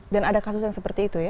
dan ada kasus yang seperti itu ya